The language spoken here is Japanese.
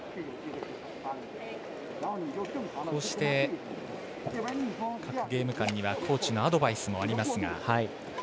こうして、各ゲーム間にはコーチのアドバイスもありますが。